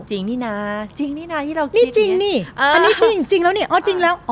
จริงนะที่เราเกลียด